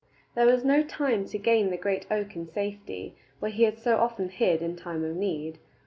There was no time to gain the great oak in safety, where he had so often hid in time of need.